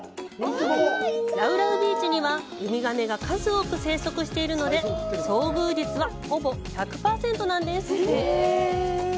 ラウラウビーチにはウミガメが数多く生息しているので遭遇率は、ほぼ１００％なんです。